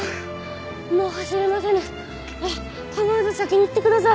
もう走れませぬ構わず先に行ってくだされ。